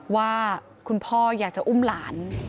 ว่าคุณพ่ออยากจะอุ้มหลาน